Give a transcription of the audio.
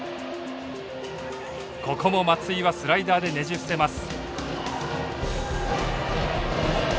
ここも松井はスライダーでねじ伏せます。